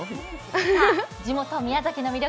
地元・宮崎の魅力